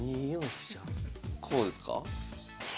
こうですか？